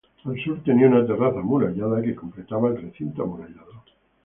Al sur tenía una terraza amurallada que completaba el recinto amurallado.